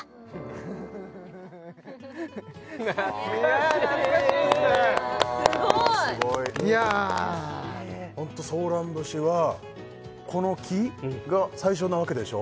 いや懐かしいですねすごい！いやホント「ソーラン節」はこの期が最初な訳でしょ？